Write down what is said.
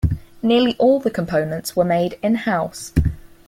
Nearly all the components were made in-house.